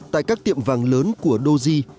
tại các tiệm vàng lớn của doji